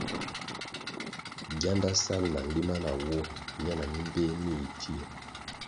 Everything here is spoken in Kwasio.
Gianda sal na nlima nawoh miana mi mbpéh mi yi pfie.